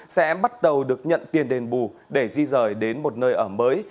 bãi rác nam sơn sẽ bắt đầu được nhận tiền đền bù để di rời đến một nơi ở mới